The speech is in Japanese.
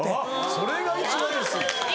それが一番いいです。